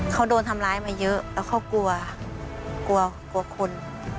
เขาโดนทำร้ายมาเยอะแล้วเขากลัวกลัวคน